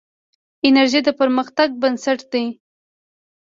انرژي د پرمختګ بنسټ دی.